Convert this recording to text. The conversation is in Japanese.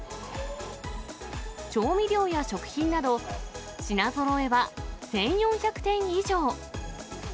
調味料や食品など、品ぞろえは１４００点以上。